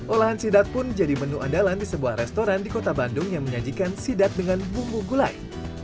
olahan sidap pun jadi menu andalan di sebuah restoran di kota bandung yang menyajikan sidap dengan bumbu gulai